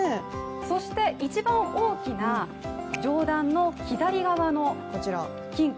そして一番大きな上段の左側の金貨